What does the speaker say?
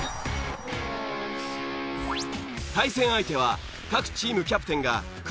対戦相手は各チームキャプテンがくじを引き決定。